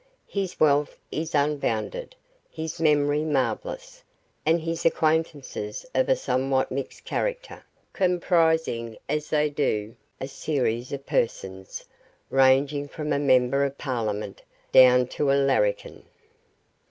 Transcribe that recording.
His wealth is unbounded, his memory marvellous, and his acquaintances of a somewhat mixed character, comprising as they do a series of persons ranging from a member of Parliament down to a larrikin.